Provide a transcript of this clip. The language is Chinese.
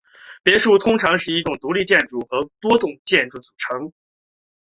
别墅通常是一栋独立建筑或多栋建筑组成。